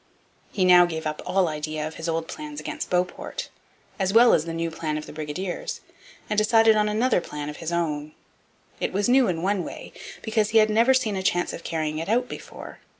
He now gave up all idea of his old plans against Beauport, as well as the new plan of the brigadiers, and decided on another plan of his own. It was new in one way, because he had never seen a chance of carrying it out before.